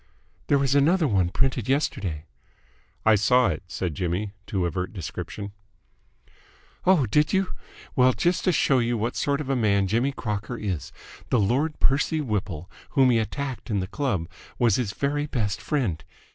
"There was another one printed yesterday." "I saw it," said Jimmy, to avert description. "Oh, did you? Well, just to show you what sort of a man Jimmy Crocker is, the Lord Percy Whipple whom he attacked in the club was his very best friend.